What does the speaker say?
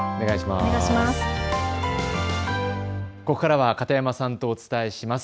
ここからは片山さんとお伝えします。